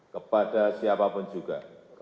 kepada siapapun juga